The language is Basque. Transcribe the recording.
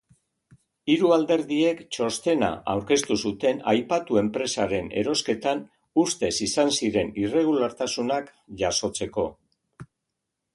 Hiru alderdiek txostena aurkeztu zuten aipatu enpresaren erosketan ustez izan ziren irregulartasunak jasotzeko.